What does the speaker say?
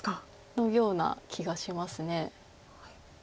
のような気がします。